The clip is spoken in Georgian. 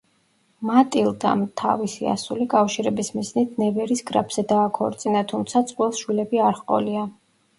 მატილდამ თავისი ასული კავშირების მიზნით ნევერის გრაფზე დააქორწინა, თუმცა წყვილს შვილები არ ჰყოლია.